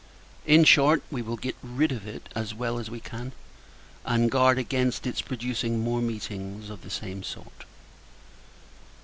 In short, we will get rid of it as well as we can, and guard against its producing more meetings of the same sort.